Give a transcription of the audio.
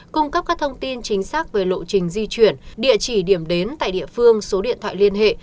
cung cấp các thông tin chính xác về lộ trình di chuyển địa chỉ điểm đến tại địa phương số điện thoại liên hệ